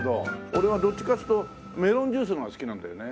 俺はどっちかっつうとメロンジュースの方が好きなんだよね。